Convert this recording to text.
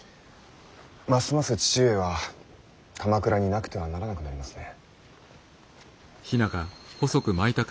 ますます父上は鎌倉になくてはならなくなりますね。